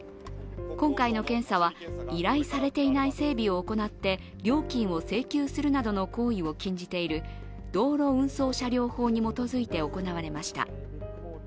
今回の検査は、依頼されていない整備を行って料金を請求するなどの行為を禁じている道路運送車両法に基づいて行われました。